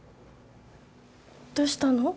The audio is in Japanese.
どうしたの？